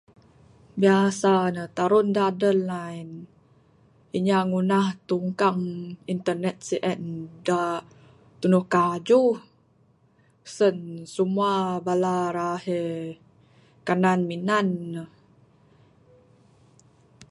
Biasa ne tarun da adeh line, inya ngunah tungkang internet sien da tunduh kajuh, sen simua bala rahe kanan minan ne.